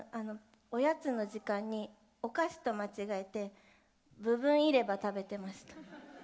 おやつの時間におかしと間違えて部分入れ歯食べてました。